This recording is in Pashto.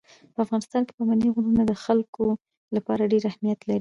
په افغانستان کې پابندي غرونه د خلکو لپاره ډېر اهمیت لري.